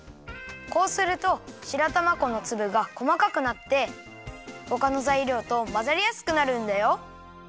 こうすると白玉粉のつぶがこまかくなってほかのざいりょうとまざりやすくなるんだよ。